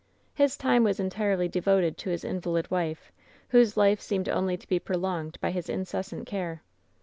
"His time was entirely devoted to his invalid wife, whose life seemed only to be prolonged by his incessant care.